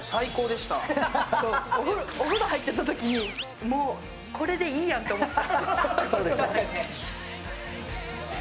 お風呂入ってたとき、これでいいやって思った。